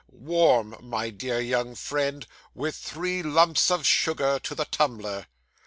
Warm, my dear young friend, with three lumps of sugar to the tumbler.